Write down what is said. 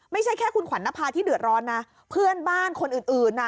ไม่ใช่แค่คุณขวัญนภาที่เดือดร้อนนะเพื่อนบ้านคนอื่นน่ะ